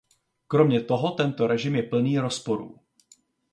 Kromě toho tento režim je plný rozporů.